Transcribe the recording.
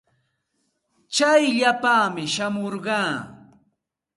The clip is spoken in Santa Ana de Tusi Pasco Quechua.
Tsayllapaami shamurqaa.